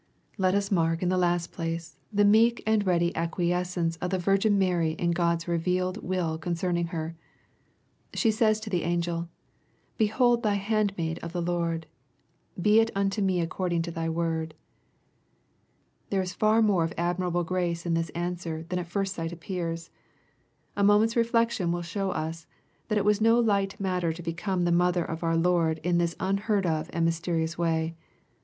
Let us mark, in the last place, the meek and ready ac^ quiescence of the Virgin Mary in Ood's revealed will con cerning her. She says to the angel, "Behold the hand maid of the Lord ; be it unto me according to thy word." There is far more of admirable grace in this answer than at first sight appears. A moment's refiection will show us, that it was no light matter to become the mother of our Lord in this unheard of and mysterious way.